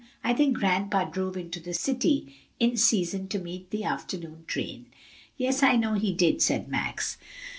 I think grandpa drove into the city in season to meet the afternoon train." "Yes, I know he did," said Max.